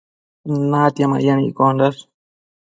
natia mayan iccondash